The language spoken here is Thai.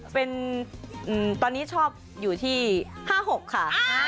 เป็นตอนนี้ชอบอยู่ที่๕๖ค่ะ